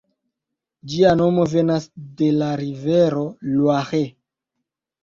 Ĝia nomo venas de la rivero Loiret.